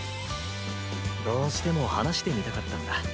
どうしても話してみたかったんだ